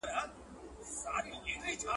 ماته مه خوره او وړاندې لاړ شه.